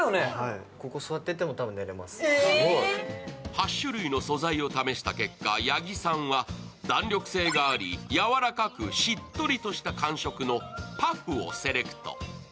８種類の素材を試した結果八木さんは弾力性があり、やわらかくしっとりとした感触のパフをセレクト。